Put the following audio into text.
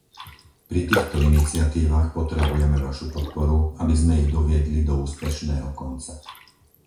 Pri týchto iniciatívach potrebujeme vašu podporu, aby sme ich doviedli do úspešného konca.